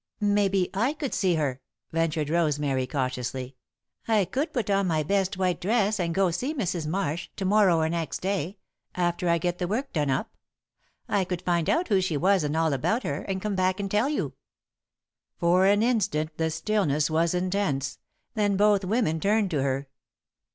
"Maybe I could see her," ventured Rosemary, cautiously. "I could put on my best white dress and go to see Mrs. Marsh, to morrow or next day, after I get the work done up. I could find out who she was and all about her, and come back and tell you." For an instant the stillness was intense, then both women turned to her.